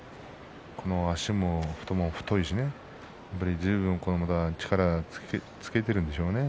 足も太いし、ずいぶん力をつけているんでしょうね。